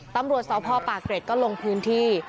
ตำรวจสพปากเกร็ดก็ลงพื้นที่